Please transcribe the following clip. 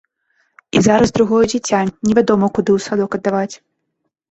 І зараз другое дзіця невядома куды ў садок аддаваць.